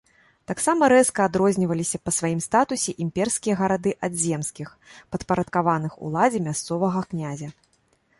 Таксама рэзка адрозніваліся па сваім статусе імперскія гарады ад земскіх, падпарадкаваных уладзе мясцовага князя.